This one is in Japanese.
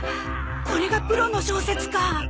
これがプロの小説家。